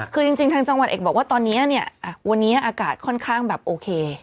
คือจริงทางจังหวัดเอกบอกว่าตอนนี้เนี่ยวันนี้อากาศค่อนข้างแบบโอเค